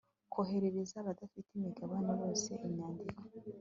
koherereza abafite imigabane bose inyandiko